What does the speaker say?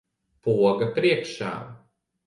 Poga priekšā.